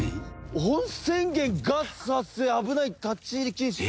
「温泉源」「ガス発生」「危ない」「立ち入り禁止」。